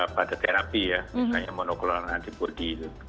pada terapi ya misalnya monoklon antibody